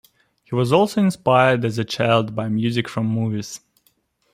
He was also inspired as a child by music from movies.